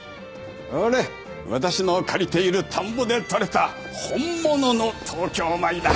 ほれ私の借りている田んぼで取れた本物の東京米だ。